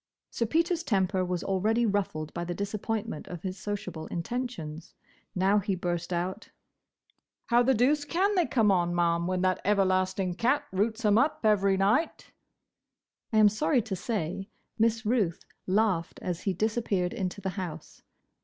Sir Peter's temper was already ruffled by the disappointment of his sociable intentions. Now he burst out, "How the doose can they come on, Ma'am, when that everlasting cat roots 'em up every night?" I am sorry to say, Miss Ruth laughed as he disappeared into the house.